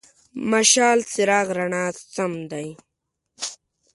مشال: څراغ، رڼا سم دی.